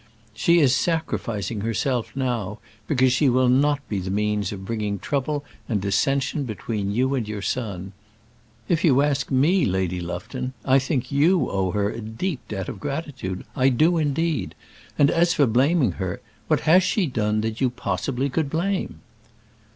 She is sacrificing herself now, because she will not be the means of bringing trouble and dissension between you and your son. If you ask me, Lady Lufton, I think you owe her a deep debt of gratitude. I do, indeed. And as for blaming her what has she done that you possibly could blame?"